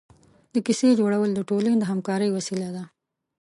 د کیسې جوړول د ټولنې د همکارۍ وسیله ده.